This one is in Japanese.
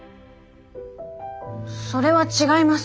それは違います。